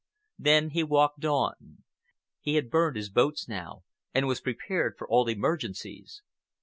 Then he walked on. He had burned his boats now and was prepared for all emergencies.